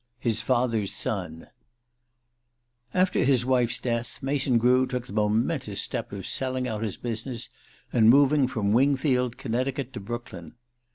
HIS FATHER'S SON I AFTER his wife's death Mason Grew took the momentous step of selling out his business and moving from Wingfield, Connecticut, to Brooklyn.